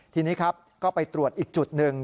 ทีนี้ครับก็ไปตรวจอีกจุดหนึ่ง